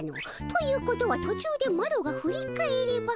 ということは途中でマロが振り返れば。